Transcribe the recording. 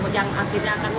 yang akhirnya akan memastikan